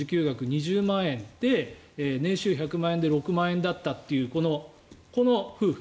２０万円年収１００万円で６万円だったというこの夫婦。